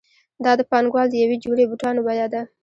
دا د پانګوال د یوې جوړې بوټانو بیه ده